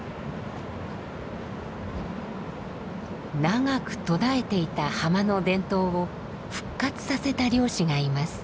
長く途絶えていた浜の伝統を復活させた漁師がいます。